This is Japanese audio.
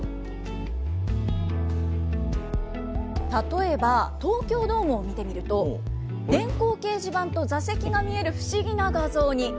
例えば東京ドームを見てみると、電光掲示板と座席が見える不思議な画像に。